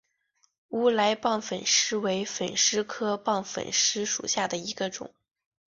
乌来棒粉虱为粉虱科棒粉虱属下的一个种。